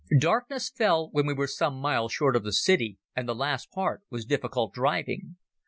Darkness fell when we were some miles short of the city, and the last part was difficult driving.